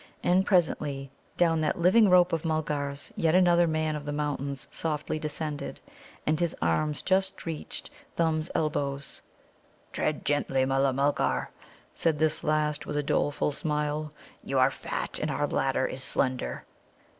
And presently down that living rope of Mulgars yet another Man of the Mountains softly descended, and his arms just reached Thumb's elbows. "Tread gently, Mulla mulgar," said this last, with a doleful smile. "You are fat, and our ladder is slender."